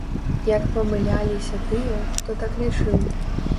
Як памыляліся тыя, хто так лічыў!